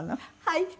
はい。